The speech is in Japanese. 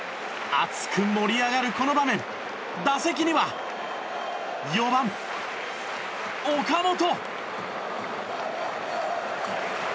熱く盛り上がるこの場面打席には４番、岡本。